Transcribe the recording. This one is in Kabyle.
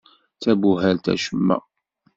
D tabuhalt acemma.